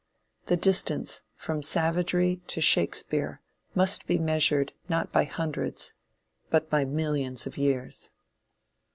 The distance from savagery to Shakespeare must be measured not by hundreds, but by millions of years.